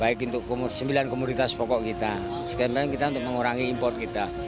baik untuk sembilan komoditas pokok kita sekalian kita untuk mengurangi impor kita